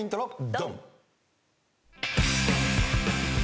ドン！